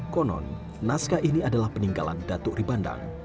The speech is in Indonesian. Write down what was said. konon naskah ini adalah peninggalan datuk ribandang